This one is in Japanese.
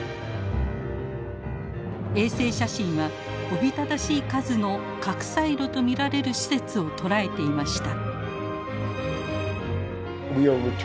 衛星写真はおびただしい数の核サイロと見られる施設を捉えていました。